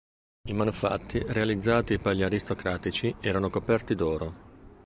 I manufatti realizzati per gli aristocratici erano coperti d'oro.